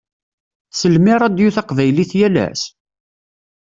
Tsellem i ṛṛadio taqbaylit yal ass?